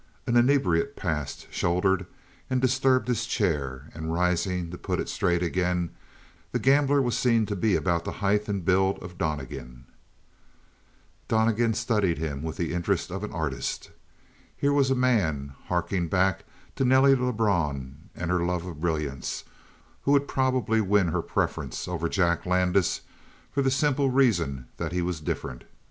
An inebriate passed, shouldered and disturbed his chair, and rising to put it straight again, the gambler was seen to be about the height and build of Donnegan. Donnegan studied him with the interest of an artist. Here was a man, harking back to Nelly Lebrun and her love of brilliance, who would probably win her preference over Jack Landis for the simple reason that he was different.